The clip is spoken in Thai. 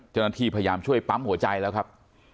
จนทีพยายามช่วยปั๊มหัวใจแล้วครับ